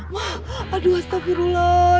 ma aduh astagfirullah